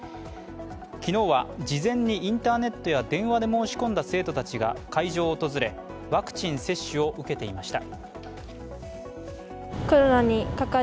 昨日は事前にインターネットや電話で申し込んだ生徒たちが会場を訪れ、ワクチン接種を受けていました。